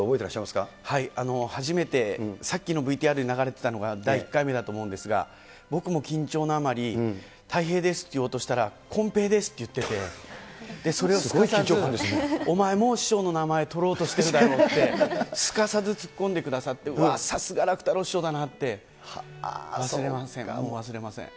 初めて、さっきのＶＴＲに流れてたのが第１回目だと思うんですが、僕も緊張のあまり、たい平ですって言おうとしたら、こん平ですって言ってて、それをすかさず、お前、もう師匠の名前取ろうとしてるだろうって、すかさず突っ込んでくださって、わー、さすが楽太郎師匠だなって、忘れません、もう忘れません。